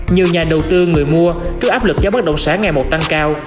nhiều nhà đầu tư người mua cứ áp lực cho bất động sản ngày một tăng cao